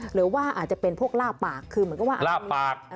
หรือว่าอาจจะเป็นพวกลาบปากคือเหมือนกับว่าลาบปาก